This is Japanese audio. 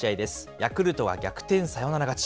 ヤクルトは逆転サヨナラ勝ち。